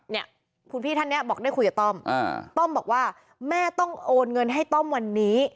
เนี่ยคุณพี่ท่านเนี่ยบอกได้คุยกับต้อมต้อมบอกว่าแม่ต้องโอนเงินให้ต้อมวันนี้